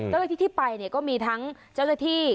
แล้วที่ที่ไปเนี่ยก็มีทั้งเจ้าหน้าที่